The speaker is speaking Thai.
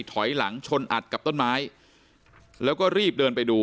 ถอยหลังชนอัดกับต้นไม้แล้วก็รีบเดินไปดู